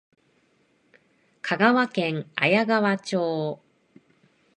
香川県綾川町